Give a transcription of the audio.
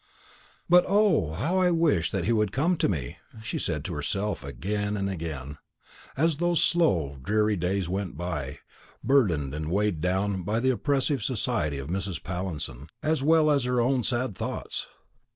"But O, how I wish that he would come to me!" she said to herself again and again, as those slow dreary days went by, burdened and weighed down by the oppressive society of Mrs. Pallinson, as well as by her own sad thoughts.